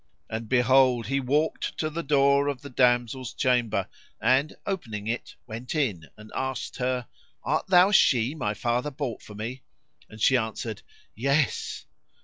And behold, he walked to the door of the damsel's chamber and, opening it, went in and asked her "Art thou she my father bought for me?" and she answered "Yes."